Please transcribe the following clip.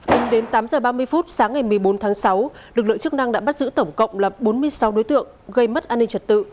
tính đến tám h ba mươi phút sáng ngày một mươi bốn tháng sáu lực lượng chức năng đã bắt giữ tổng cộng là bốn mươi sáu đối tượng gây mất an ninh trật tự